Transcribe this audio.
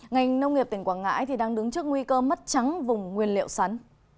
ngành nông nghiệp tỉnh quảng ngãi đang đứng trước nguy cơ mất trắng vùng nguyên liệu sắn